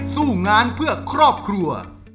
สู้งานเพื่อครอบครัว